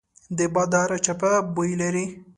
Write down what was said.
د باد هره چپه بوی لري